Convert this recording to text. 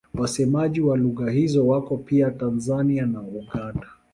Wasemaji wa lugha hizo wako pia Tanzania na Uganda.